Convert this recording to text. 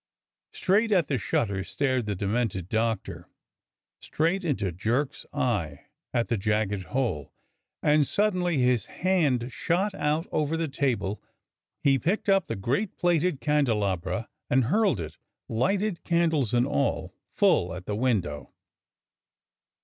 Straight at the shutter stared the demented Doctor; straight into Jerk's eye at the jagged hole, and suddenly 122 DOCTOR SYN his hand shot out over the table; he picked up the great plated candelabra, and hurled it, lighted candles and all, full at the window.